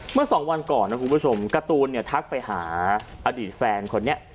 เมื่อสองวันก่อนนะคุณผู้ชมการ์ตูนเนี่ยทักไปหาอดีตแฟนคนนี้